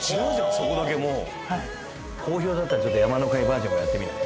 そこだけもう好評だったらちょっと山の会バージョンもやってみない？